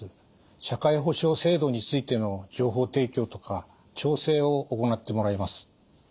社会保障制度についての情報提供とか調整を行ってもらいます。